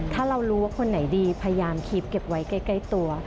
ถ้าเรารู้ว่าคนไหนดีพยายามคีบเก็บไว้ใกล้ตัว